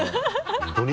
本当に？